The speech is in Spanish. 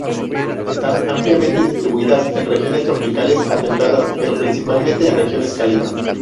Están ampliamente distribuidas en regiones tropicales a templadas, pero principalmente en regiones cálidas.